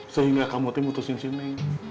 sehingga kamu timutusin sini